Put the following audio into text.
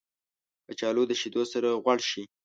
کچالو د شیدو سره غوړ شي